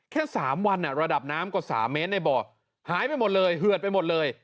แค่๓วันระดับน้ำกว่า๓เมตรในบ่อหายไปหมดเลยเหือดไปหมดเลย